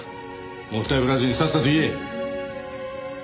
もったいぶらずにさっさと言え。